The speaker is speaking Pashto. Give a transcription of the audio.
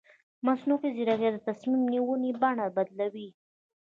مصنوعي ځیرکتیا د تصمیم نیونې بڼه بدلوي.